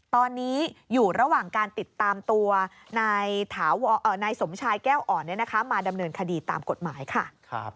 ตอนนี้อยู่ระหว่างการติดตามตัวนายสมชายแก้วอ่อนมาดำเนินคดีตามกฎหมายค่ะ